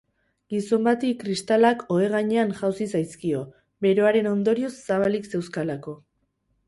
Gizon bati kristalak ohe gainean jauzi zaizkio, beroaren ondorioz zabalik zeuzkalako.